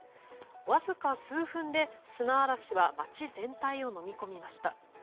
わずか数分で砂嵐は街全体をのみ込みました。